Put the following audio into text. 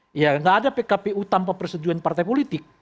tidak ada pkpu tanpa persetujuan partai politik